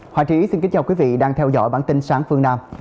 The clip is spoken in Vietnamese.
hoàng trí xin kính chào quý vị đang theo dõi bản tin sáng phương nam